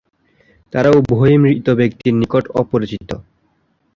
তারা উভয়ই মৃত ব্যক্তির নিকট অপরিচিত।